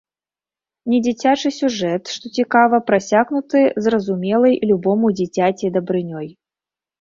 Недзіцячы сюжэт, што цікава, прасякнуты зразумелай любому дзіцяці дабрынёй.